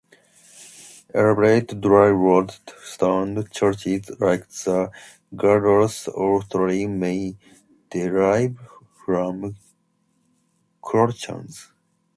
Elaborate dry walled stone churches like the Gallarus Oratory may derive from Clochans.